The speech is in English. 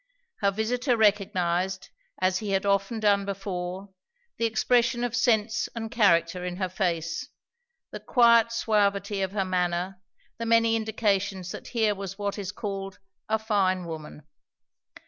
Her visiter recognized, as he had often done before, the expression of sense and character in her face, the quiet suavity of her manner, the many indications that here was what is called a fine woman.